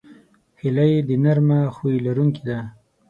هیلۍ د نرمه خوی لرونکې ده